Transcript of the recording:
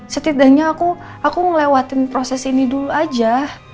setidaknya aku ngelewatin proses ini dulu aja